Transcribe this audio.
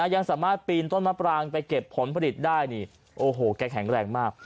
ยังสามารถปีนต้นมะปรางไปเก็บผลผลิตได้นี่โอ้โหแกแข็งแรงมาก